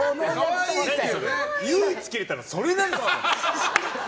唯一キレたのそれなの？